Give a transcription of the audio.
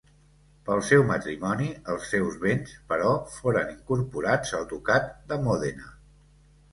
Pel seu matrimoni els seus béns, però, foren incorporats al Ducat de Mòdena.